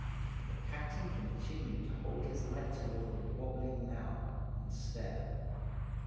The captain continued to hold his light towards the wobbling mound and stare.